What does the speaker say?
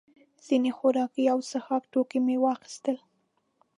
ځینې خوراکي او څښاک توکي مو واخیستل.